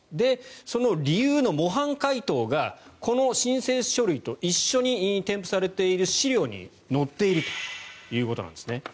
その理由の模範解答がこの申請書類と一緒に添付されている資料に載っているということなんですね。